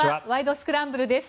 スクランブル」です。